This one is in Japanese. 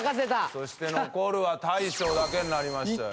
そして残るは大昇だけになりましたよ。